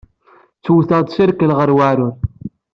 Ttewteɣ-d s rrkel ɣer uɛrur.